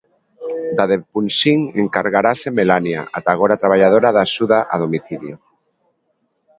Da de Punxín encargarase Melania, ata agora traballadora da axuda a domicilio.